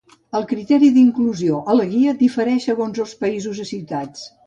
El criteri d'inclusió a la guia difereix segons països i ciutats.